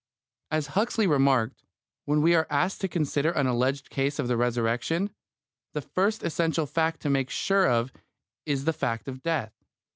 As Huxley remarked, when we are asked to consider an alleged case of resurrection, the first essential fact to make sure of is the fact of death.